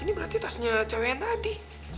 ini berarti tasnya cewek yang tadi